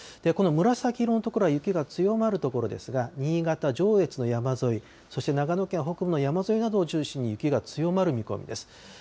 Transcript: この紫の色の所は雪が強まる所ですが、新潟・上越の山沿い、そして長野県北部の山沿いなどを中心に、雪が強まる見込みです。